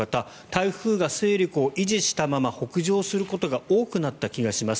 台風が勢力を維持したまま北上することが多くなった気がします。